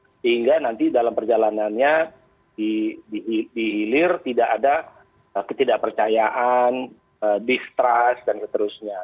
sehingga nanti dalam perjalanannya di hilir tidak ada ketidakpercayaan distrust dan seterusnya